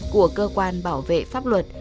của cơ quan bảo vệ pháp luật